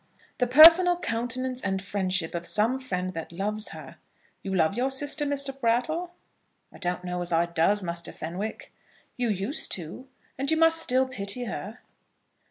"The personal countenance and friendship of some friend that loves her. You love your sister, Mr. Brattle?" "I don't know as I does, Muster Fenwick." "You used to, and you must still pity her."